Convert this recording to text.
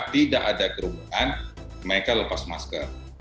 tidak ada kerumunan mereka lepas masker